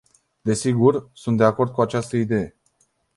Desigur, sunt de acord cu această idee.